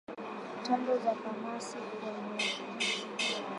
Tando za kamasi kuwa nyeupe